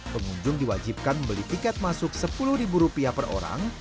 pengunjung diwajibkan membeli tiket masuk sepuluh rupiah per orang